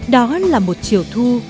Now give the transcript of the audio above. đó là một chiều thu